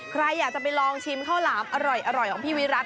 ใครอยากจะไปลองชิมข้าวหลามอร่อยของพี่วิรัติ